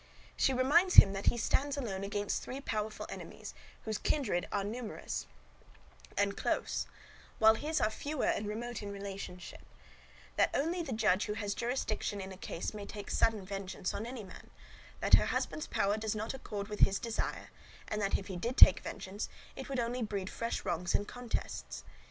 She reminds him that he stands alone against three powerful enemies, whose kindred are numerous and close, while his are fewer and remote in relationship; that only the judge who has jurisdiction in a case may take sudden vengeance on any man; that her husband's power does not accord with his desire; and that, if he did take vengeance, it would only breed fresh wrongs and contests.